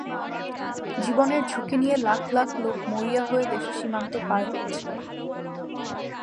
জীবনের ঝুঁকি নিয়ে লাখ লাখ লোক মরিয়া হয়ে দেশের সীমান্ত পার হচ্ছে।